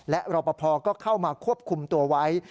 และรอปภก็เข้ามาควบคุมตัวไว้